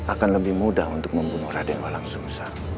akan lebih mudah untuk membunuh raden woyang sungsang